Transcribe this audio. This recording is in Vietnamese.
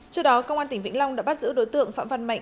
trước đó công an tỉnh vĩnh long đã bắt giữ đối tượng phạm văn mạnh